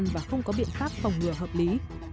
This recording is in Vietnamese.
và không có biện pháp phòng ngừa hợp lý